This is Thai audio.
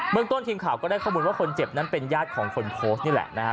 เมืองต้นทีมข่าวก็ได้ข้อมูลว่าคนเจ็บนั้นเป็นญาติของคนโพสต์นี่แหละนะฮะ